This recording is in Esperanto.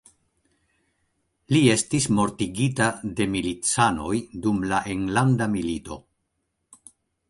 Li estis mortigita de milicanoj dum la enlanda milito.